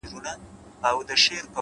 صبر د لویو موخو ملګری پاتې کېږي’